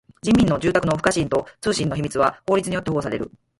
人民の住宅の不可侵と通信の秘密は法律によって保護される。